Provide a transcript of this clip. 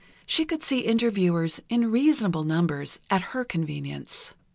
She could see interviewers in reasonable numbers, at her convenience.